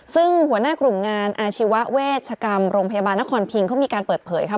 ซึ่งหัวหน้ากลุ่มงานอาชีวเวชกรรมโรงพยาบาลนครพิงเขามีการเปิดเผยค่ะ